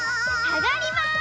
あがります。